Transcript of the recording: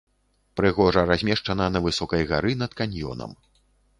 Прыгожа размешчана на высокай гары над каньёнам.